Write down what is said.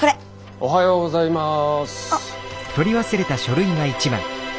おはようございます。